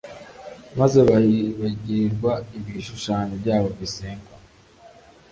Maze bahibagirirwa ibishushanyo byabo bisengwa